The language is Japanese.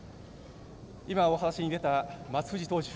今、お話に出た松藤投手